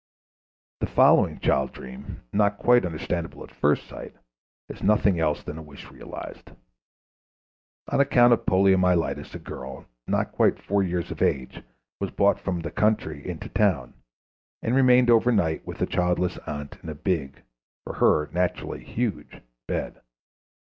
The following child dream, not quite understandable at first sight, is nothing else than a wish realized. On account of poliomyelitis a girl, not quite four years of age, was brought from the country into town, and remained over night with a childless aunt in a big for her, naturally, huge bed.